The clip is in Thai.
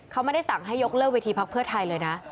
เขาไม่ได้สั่งให้ยกเลิกเวทีพักเพื่อไทยเลยนะ